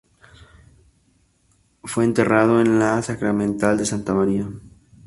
Fue enterrado en la Sacramental de Santa María.